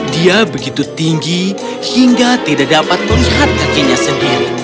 dia begitu tinggi hingga tidak dapat melihat kakinya sendiri